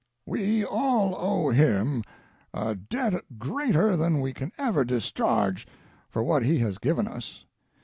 ] "We all owe him a debt greater than we can ever discharge for what he has given us.